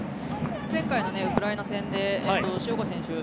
前回のウクライナ戦で塩越選手